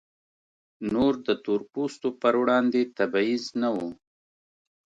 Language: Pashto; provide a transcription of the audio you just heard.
نور د تور پوستو پر وړاندې تبعیض نه و.